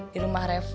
di rumah reva